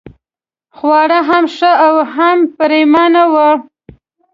خواړه هم ښه او هم پرېمانه وو.